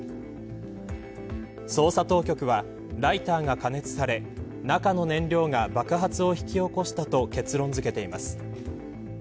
捜査当局はライターが過熱され中の燃料が爆発を引き起こしたと結論付けています。